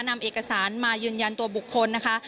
นำเอกสารมายืนยันตัวบุคคลนะคะ